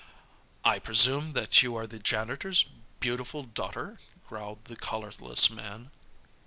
"I presume that you are the janitor's beautiful daughter," growled the collarless man.